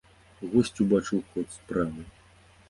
Госць убачыў ход справы.